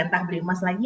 entah beli emas lagi